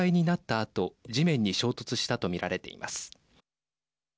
あと地面に衝突したと見られています。